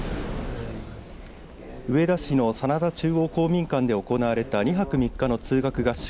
上田市の真田中央公民館で行われた２泊３日の通学合宿。